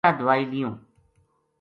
یاہ دوائی لیوں